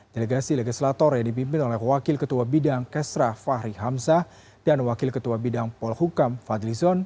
delegasi legislator yang dipimpin oleh wakil ketua bidang kesra fahri hamzah dan wakil ketua bidang polhukam fadli zon